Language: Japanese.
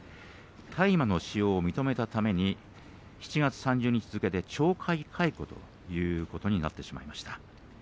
大麻の使用を認めたために７月３０日付けで懲戒解雇ということになってしまいました。